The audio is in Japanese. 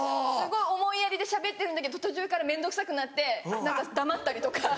すごい思いやりでしゃべってるんだけど途中から面倒くさくなって黙ったりとか。